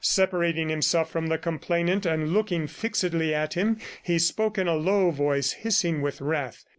Separating himself from the complainant and looking fixedly at him, he spoke in a low voice, hissing with wrath.